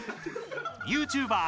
ＹｏｕＴｕｂｅｒ